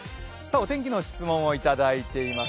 お天気の質問をいただいております